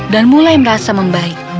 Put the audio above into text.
dan mulai merasa membaik